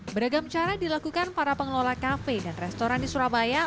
beragam cara dilakukan para pengelola kafe dan restoran di surabaya